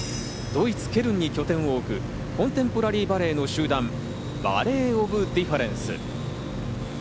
ドイツ・ケルンに拠点を置くコンテンポラリーバレエの集団バレエ・オブ・ディファレンス。